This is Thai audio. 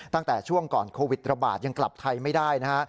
ตั้งแต่ช่วงก่อนโควิดระบาดยังกลับไทยไม่ได้นะฮะ